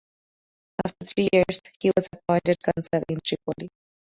After three years, he was appointed Consul in Tripoli.